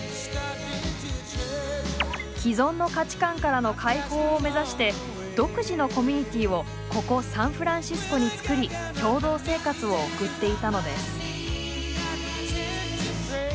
既存の価値観からの解放を目指して独自のコミュニティーをここサンフランシスコに作り共同生活を送っていたのです。